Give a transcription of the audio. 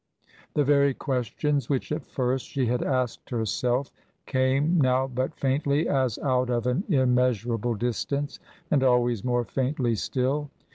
The very questions which at first she had asked herself came now but faintly as out of an immeasurable distance, and always more faintly still.